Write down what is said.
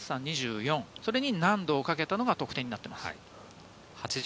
それに難度をかけたのが得点になっています。